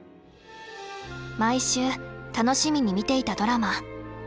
毎週楽しみに見ていたドラマ。